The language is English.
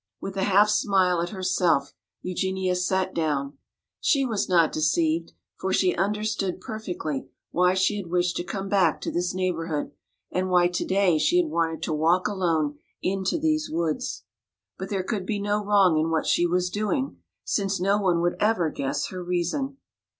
With a half smile at herself Eugenia sat down. She was not deceived, for she understood perfectly why she had wished to come back to this neighborhood and why today she had wanted to walk alone into these woods. But there could be no wrong in what she was doing, since no one would ever guess her reason.